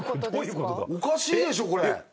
おかしいでしょこれ。